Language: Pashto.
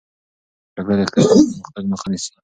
جګړه د اقتصادي پرمختګ مخه نیسي.